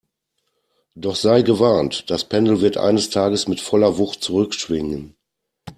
Doch sei gewarnt, das Pendel wird eines Tages mit voller Wucht zurückschwingen!